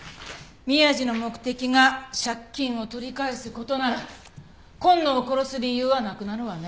宮地の目的が借金を取り返す事なら今野を殺す理由はなくなるわね。